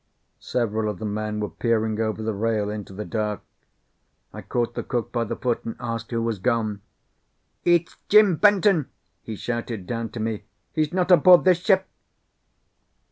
Several of the men were peering over the rail into the dark. I caught the cook by the foot, and asked who was gone. "It's Jim Benton," he shouted down to me. "He's not aboard this ship!"